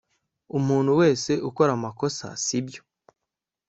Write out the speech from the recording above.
umuntu wese akora amakosa, sibyo